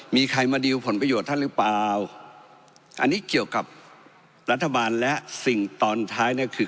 มีใครมาดีลผลประโยชน์ท่านหรือเปล่าอันนี้เกี่ยวกับรัฐบาลและสิ่งตอนท้ายเนี่ยคือ